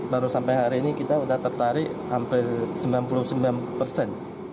baru sampai hari ini kita sudah tertarik hampir sembilan puluh sembilan persen